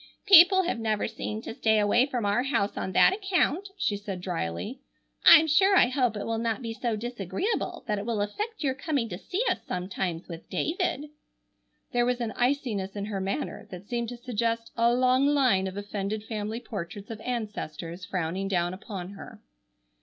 "People have never seemed to stay away from our house on that account," she said dryly. "I'm sure I hope it will not be so disagreeable that it will affect your coming to see us sometimes with David." There was an iciness in her manner that seemed to suggest a long line of offended family portraits of ancestors frowning down upon her.